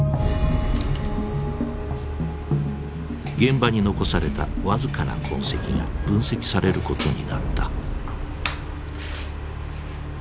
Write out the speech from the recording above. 現場に残された僅かな痕跡が分析されることになった。